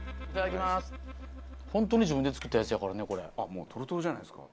もうトロトロじゃないですか。